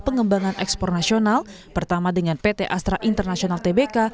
pengembangan ekspor nasional pertama dengan pt astra international tbk